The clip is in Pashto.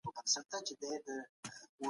د غریبانو حقونه ادا کړئ ترڅو الله خوشحاله سي.